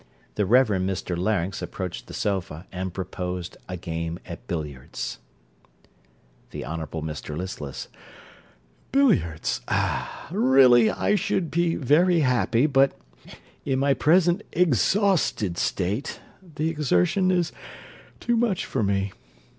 The Reverend Mr Larynx approached the sofa, and proposed a game at billiards. THE HONOURABLE MR LISTLESS Billiards! Really I should be very happy; but, in my present exhausted state, the exertion is too much for me.